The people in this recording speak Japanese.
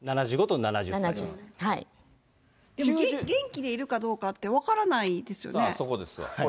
元気でいるかどうかって分からないですよね。